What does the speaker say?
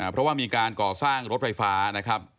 เพราะว่ามีการก่อสร้างรถไฟฟ้านะครับ